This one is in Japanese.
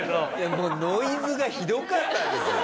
もうノイズがひどかったですよ。